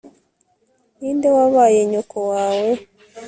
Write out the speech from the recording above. ninde wabaye nyoko wawe